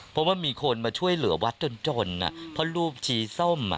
เพราะว่ามีคนมาช่วยเหลือวัดจนจนเพราะรูปสีส้มอ่ะ